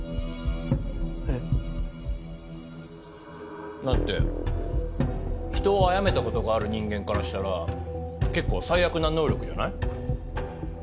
えっ？だって人をあやめたことがある人間からしたら結構最悪な能力じゃない。